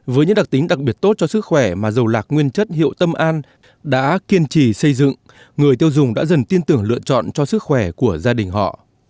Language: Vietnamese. với những đặc tính đặc biệt tốt cho sức khỏe mà dầu lạc nguyên chất hiệu tâm an đã kiên trì xây dựng người tiêu dùng đã dần tin tưởng lựa chọn cho sức khỏe của gia đình họ